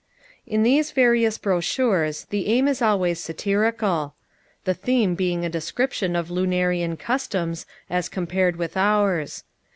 In these various brochures the aim is always satirical; the theme being a description of Lunarian customs as compared with ours.